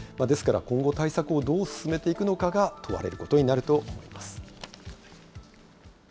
ですから、今後、対策をどう進めていくのかが問われることになると思います。